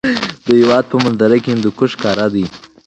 د هېواد په منظره کې هندوکش ښکاره دی.